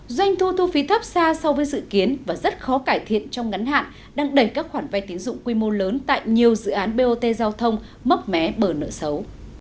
doanh thu thu phí thấp xa so với dự kiến và rất khó cải thiện trong ngắn hạn đang đẩy các khoản vay tín dụng quy mô lớn tại nhiều dự án bot giao thông mốc mé bờ nợ xấu